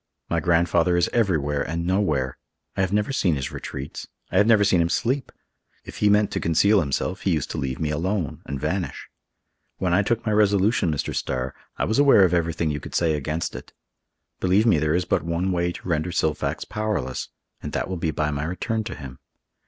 "My grandfather is everywhere and nowhere. I have never seen his retreats. I have never seen him sleep. If he meant to conceal himself, he used to leave me alone, and vanish. When I took my resolution, Mr. Starr, I was aware of everything you could say against it. Believe me, there is but one way to render Silfax powerless, and that will be by my return to him.